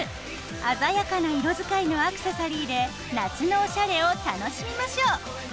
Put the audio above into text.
鮮やかな色づかいのアクセサリーで夏のおしゃれを楽しみましょう。